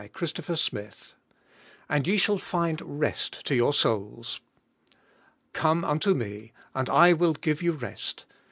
ABIDE m CHKIST AND YE SHALL FIND REST TO YOUR SOULS. 'Come unto me, and I will give you rest.